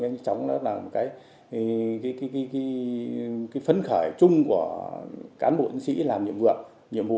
nghiêm trọng đó là một cái phấn khởi chung của cán bộ chính sĩ làm nhiệm vụ